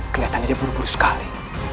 kelihatannya dia buru buru sekali